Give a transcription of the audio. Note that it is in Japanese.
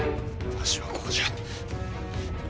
わしはここじゃ！